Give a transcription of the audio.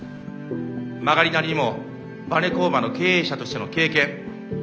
曲がりなりにもバネ工場の経営者としての経験